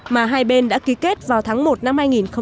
mà hai bên đã ký kết vào tháng một năm hai nghìn một mươi bảy